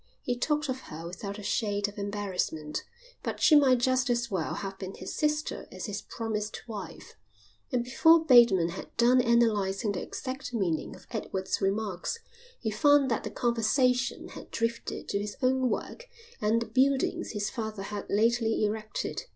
He talked of her without a shade of embarrassment, but she might just as well have been his sister as his promised wife; and before Bateman had done analysing the exact meaning of Edward's remarks he found that the conversation had drifted to his own work and the buildings his father had lately erected.